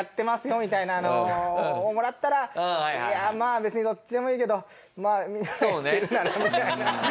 みたいなのをもらったら「いやまあ別にどっちでもいいけどみんながやってるなら」みたいな。